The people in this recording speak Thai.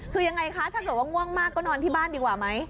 คือยังไงคะถ้าเกิดว่าง่วงมากก็นอนที่บ้านดีกว่าไหม